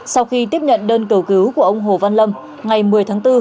sau khi tiếp nhận đơn cầu cứu của ông hồ văn lâm ngày một mươi tháng bốn